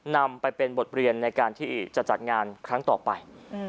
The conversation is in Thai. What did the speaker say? นำไปเป็นบทเรียนในการที่จะจัดงานครั้งต่อไป